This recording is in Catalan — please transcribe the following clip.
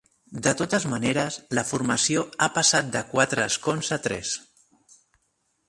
De totes maneres, la formació ha passat de quatre escons a tres.